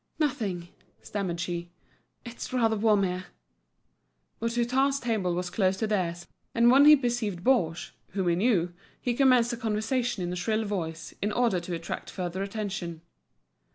"Nothing," stammered she; "it's rather warm here." But Hutin's table was close to theirs, and when he perceived Baugé, whom he knew, he commenced a conversation in a shrill voice, in order to attract further attention.